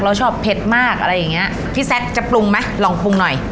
ชอบเผ็ดมากอะไรอย่างเงี้ยพี่แซคจะปรุงไหมลองปรุงหน่อย